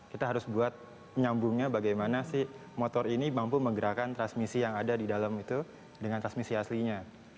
kita harus buat nyambungnya bagaimana si motor ini mampu menggerakkan transmisi yang ada di dalam itu dengan transmisi aslinya